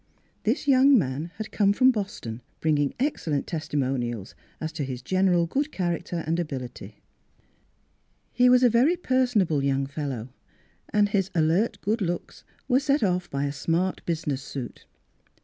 This young man had come from Boston, bringing excellent testimonials as Miss Fhilura's Wedding Gown to his general good character and ability. He was a very personable young fellow, and his alert good looks were set off by a smart business suit.